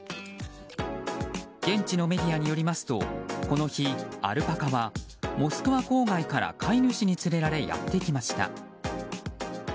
現地のメディアによりますとこの日、アルパカはモスクワ郊外から飼い主に連れられやってきました。